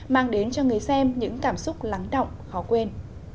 mang đến cho người xem những cảm xúc lắng động khó quên